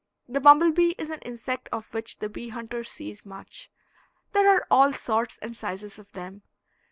The bumble bee is an insect of which the bee hunter sees much. There are all sorts and sizes of them.